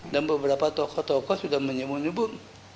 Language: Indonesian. dan beberapa tokoh tokoh sudah menyebut nyebut